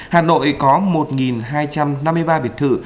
hà nội có một hai trăm năm mươi ba biệt thự